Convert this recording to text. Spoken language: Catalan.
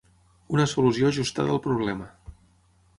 Una solució ajustada al problema.